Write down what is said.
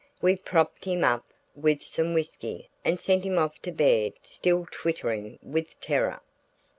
We propped him up with some whiskey and sent him off to bed still twittering with terror.